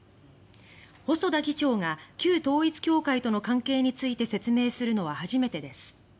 細田議長が旧統一教会との関係について説明するのは初めてです。